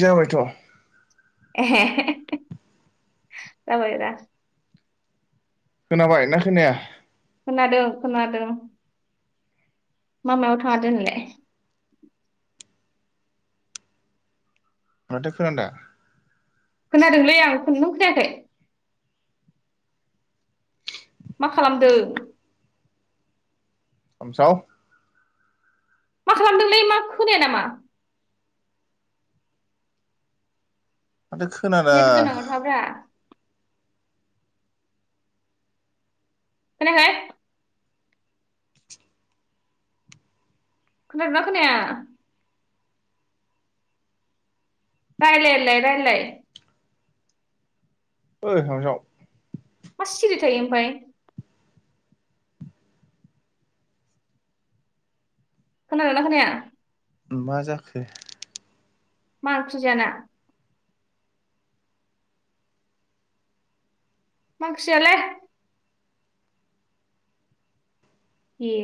जाबायथ' जाबायदा खोनाबाय ना खोनाया खोनादों खोनादों मामायाव थाङा दिनैलाय माथो खोनादा खोनादोंलै आं नों खोनायाखै मा खालामदों खामसाव मा खालामदोंलै मा खोनाया नामा माथो खोनादा नेट गोनाङाव थाब्रा खोनायाखै खोनादोंना खोनाया रायलायलाय रायलाय ओय खामसाव मा सिरि थायो ओमफ्राय खोनादोंना खोनाया उम मा जाखो मा ओंख्रि जाना मा ओंख्रि जायालै ए